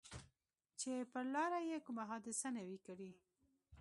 چې پر لاره یې کومه حادثه نه وي کړې.